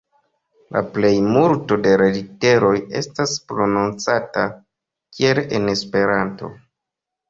La plejmulto de la literoj estas prononcata kiel en Esperanto.